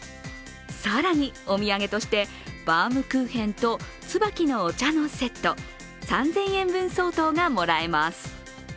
更に、お土産としてバウムクーヘンと椿のお茶のセット、３０００円分相当がもらえます。